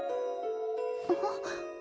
あっ。